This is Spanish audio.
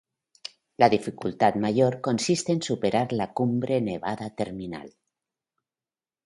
La dificultad mayor consiste en superar la cumbre nevada terminal.